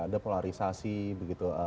ada polarisasi begitu